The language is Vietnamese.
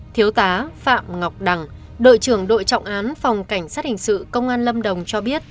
thiếu tá phạm ngọc đằng đội trưởng đội trọng án phòng cảnh sát hình sự công an lâm đồng cho biết